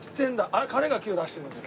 あれ彼がキュー出してるんですね？